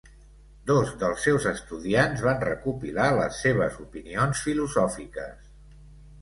Dos dels seus estudiants van recopilar les seves opinions filosòfiques.